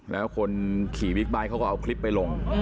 แล้วคนขี่บิ๊กบายก็เอาคลิปลง